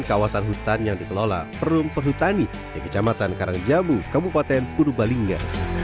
kawasan hutan yang dikelola perumperhutani di kecamatan karangjamu kabupaten purubalingga